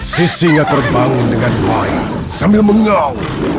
sisinga terbangun dengan baik sambil mengau